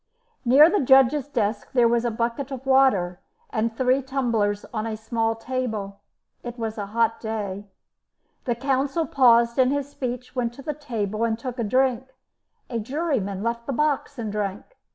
Near the judge's desk there was a bucket of water and three tumblers on a small table. It was a hot day. The counsel paused in his speech, went to the table, and took a drink; a juryman left the box and drank.